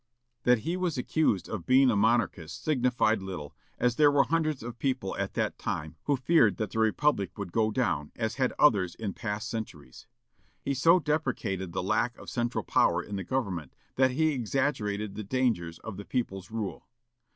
That he was accused of being a monarchist signified little, as there were hundreds of people at that time who feared that the republic would go down, as had others in past centuries. He so deprecated the lack of central power in the government that he exaggerated the dangers of the people's rule.